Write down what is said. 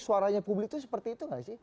suaranya publik itu seperti itu gak sih